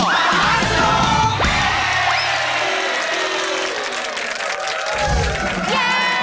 เย้